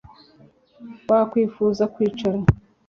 Wakwifuza kwicara